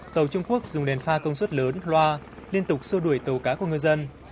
tàu trung quốc dùng đèn pha công suất lớn loa liên tục sâu đuổi tàu cá của ngư dân